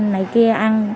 này kia ăn